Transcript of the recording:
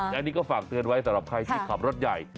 อันนี้ก็ฝากเตือนไว้สำหรับใครที่ขับรถใหญ่